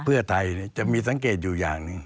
เพื่อไทยจะมีสังเกตอยู่อย่างหนึ่ง